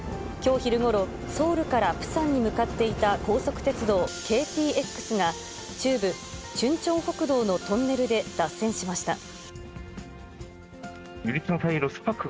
きょう昼ごろ、ソウルからプサンに向かっていた高速鉄道、ＫＴＸが中部、チュンチョン北道のトンネルで脱線しました。